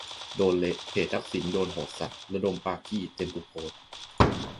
โดนเละ เพจทักษิณโดนโหดสัสระดมปาขี้เต็มทุกโพสต์